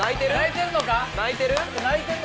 泣いてる？